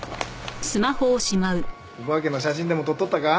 お化けの写真でも撮っとったか？